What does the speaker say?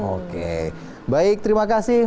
oke baik terima kasih